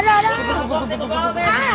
bok buk buk buk buk buk